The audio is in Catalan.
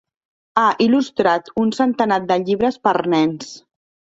Ha il·lustrat un centenar de llibres per nens.